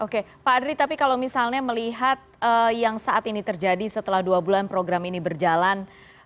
oke pak adri tapi kalau misalnya melihat yang saat ini terjadi setelah dua bulan program ini berjalan